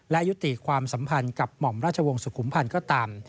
และยุติความสัมพันธ์กับหม่อมราชวงศ์สุขุมพันธ์ก็ตาม